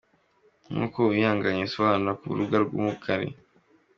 Nk’uko Uwimpaye abisobanura ku rubuga murukali.